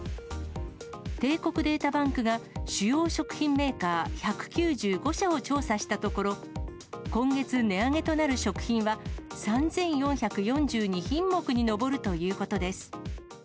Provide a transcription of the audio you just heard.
帝国データバンクが、主要食品メーカー１９５社を調査したところ、今月、値上げとなる食品は３４４２品目に上るということです。